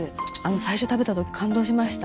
最初食べた時感動しました。